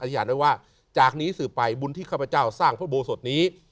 อธิษฐานด้วยว่าจากนี้สืบไปบุญที่ข้าพเจ้าสร้างโบสถ์นี้